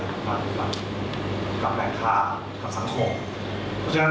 เพราะฉะนั้นในทางที่เราเป็นผู้อย่างที่มีอำนาจการสื่อชาติ